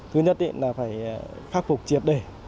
thứ nhất là phải phát phục triệt đề